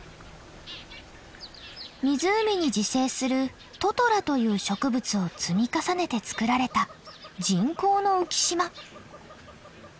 湖に自生するトトラという植物を積み重ねてつくられた人工の浮き島。